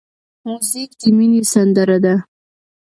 موزیک د مینې سندره ده.